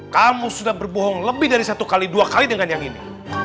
kamu sudah berbohong lebih dari satu x dua kali dengan yang ini